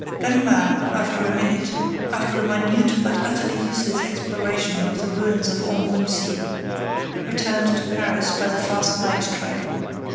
Ganimard, after a minute, but utterly useless exploration of the ruins of Ambrumésy, returned to Paris by the fast night train.